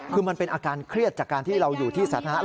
คือมันเป็นอาการเครียดจากการที่เราอยู่ที่สาธารณะ